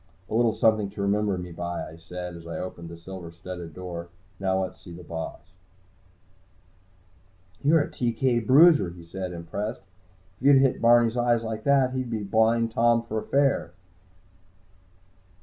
"A little something to remember me by," I said, as I opened the silver studded door. "Now let's see the boss." "You're a TK bruiser," he said, impressed. "If you hit Barney's eyes like that, he's a Blind Tom for fair."